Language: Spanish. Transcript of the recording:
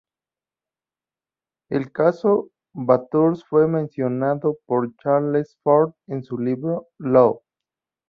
El caso de Bathurst fue mencionado por Charles Fort en su libro "Lo!".